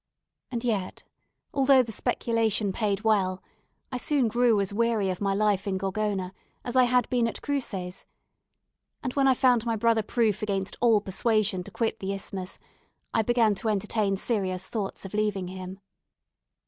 And yet, although the speculation paid well, I soon grew as weary of my life in Gorgona as I had been at Cruces; and when I found my brother proof against all persuasion to quit the Isthmus, I began to entertain serious thoughts of leaving him.